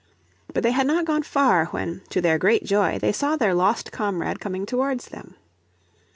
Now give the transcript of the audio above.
But they had not gone far when, to their great joy, they saw their lost comrade coming towards them.